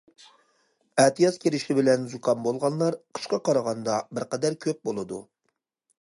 ئەتىياز كىرىشى بىلەن زۇكام بولغانلار قىشقا قارىغاندا بىر قەدەر كۆپ بولىدۇ.